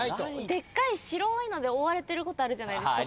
でっかい白いので覆われてることあるじゃないですか。